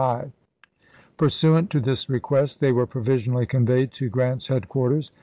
Pursuant to this request, they were provisionally conveyed to Grant's headquarters.